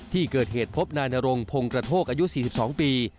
ที่เกิดเหตุพบนายนรงพงกระโทกอายุ๔๒ปี